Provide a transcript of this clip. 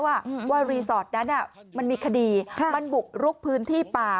ว่ารีสอร์ทนั้นมันมีคดีมันบุกรุกพื้นที่ป่า